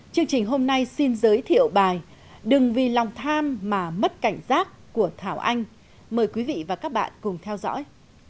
chương trình hôm nay xin giới thiệu bài đừng vì lòng tham mà mất cảnh giác của thảo anh mời quý vị và các bạn cùng theo dõi